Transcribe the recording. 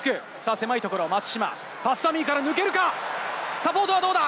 狭いところ、松島、パスダミーから抜けるか、サポートはどうだ？